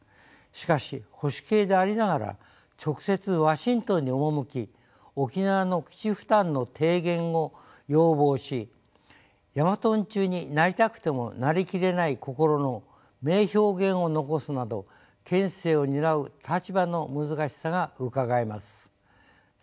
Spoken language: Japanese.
しかし保守系でありながら直接ワシントンに赴き沖縄の基地負担の低減を要望し「ヤマトンチュになりたくてもなりきれない心」の名表現を残すなど県政を担う立場の難しさがうかがえます。